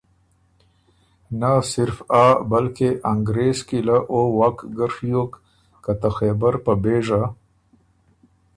نۀ صرف آ بلکې انګرېز کی له او وک ګۀ ڒیوک که ته خېبر په بېژه